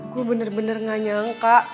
gue bener bener gak nyangka